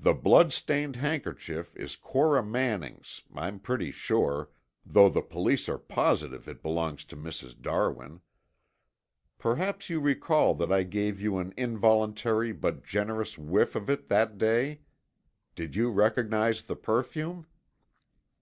The blood stained handkerchief is Cora Manning's, I'm pretty sure, though the police are positive it belongs to Mrs. Darwin. Perhaps you recall that I gave you an involuntary but generous whiff of it that day. Did you recognize the perfume?"